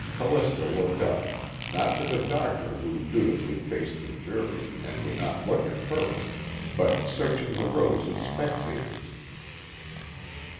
Callista looked up, not to the doctor who dutifully faced the jury and would not look at her, but searching the rows of spectators.